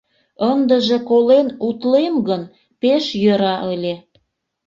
Ындыже колен утлем гын, пеш йӧра ыле!..